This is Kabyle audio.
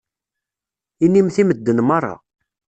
Inimt i medden meṛṛa.